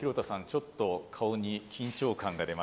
ちょっと顔に緊張感が出ましたけども。